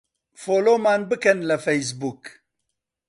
فۆلۆومان بکەن لە فەیسبووک.